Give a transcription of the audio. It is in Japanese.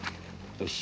よし。